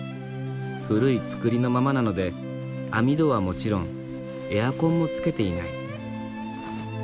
古い造りのままなので網戸はもちろんエアコンもつけていない。